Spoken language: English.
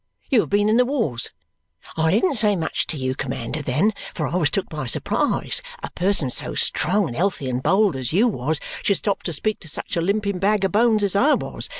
You have been in the wars!' I didn't say much to you, commander, then, for I was took by surprise that a person so strong and healthy and bold as you was should stop to speak to such a limping bag of bones as I was.